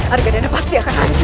harga dana pasti akan hancur